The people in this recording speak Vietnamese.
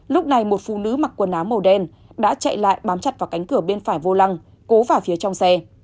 lúc này một phụ nữ mặc quần áo màu đen đã chạy lại bám chặt vào cánh cửa bên phải vô lăng cố vào phía trong xe